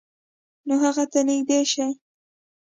نو هغه ته نږدې شئ،